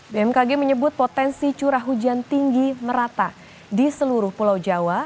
bmkg menyebut potensi curah hujan tinggi merata di seluruh pulau jawa